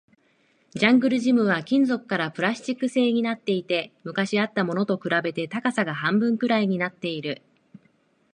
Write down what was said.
ジャングルジムは金属からプラスチック製になっていて、昔あったものと比べて高さが半分くらいになっている